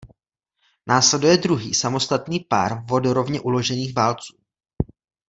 Následuje druhý samostatný pár vodorovně uložených válců.